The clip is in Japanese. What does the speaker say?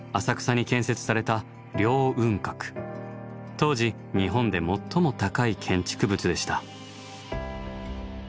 当時日本で最も高い建築物でした。